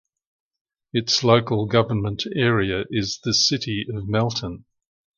Its local government area is the City of Melton.